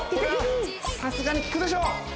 さすがに効くでしょう